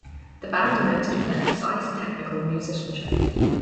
The band are noted for their precise, technical musicianship.